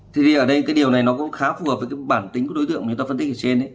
thì ở đây cái điều này nó cũng khá phù hợp với cái bản tính của đối tượng mà người ta phân tích ở trên